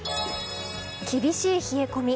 厳しい冷え込み。